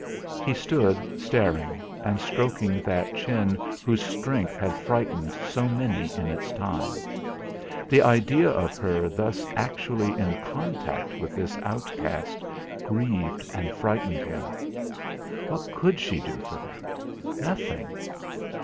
He stood, staring, and stroking that chin whose strength had frightened so many in its time. The idea of her thus actually in contact with this outcast grieved and frightened him. What could she do for them? Nothing.